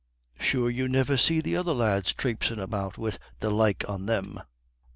Sure you niver see the other lads trapesin' about wid the like on them."